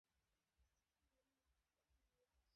তুই একটু করতে চেয়েছিলি না।